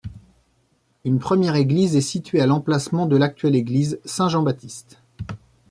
Une première église est située à l'emplacement de l'actuelle église Saint-Jean-Baptiste.